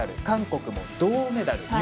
韓国も銅メダル。